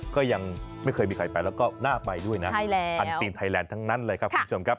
ก็ยังไม่เคยมีใครไปแล้วก็น่าไปด้วยนะอันซีนไทยแลนด์ทั้งนั้นเลยครับคุณผู้ชมครับ